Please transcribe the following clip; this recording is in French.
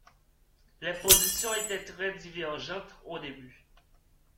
Les positions étaient très divergentes au début.